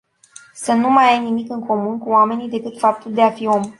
Să nu mai ai nimic în comun cu oamenii decât faptul de afi om.